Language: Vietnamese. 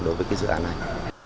đối với cái dự án này